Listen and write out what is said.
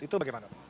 itu bagaimana pak